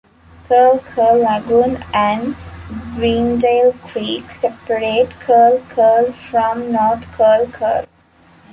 Curl Curl Lagoon and Greendale Creek, separate Curl Curl from North Curl Curl.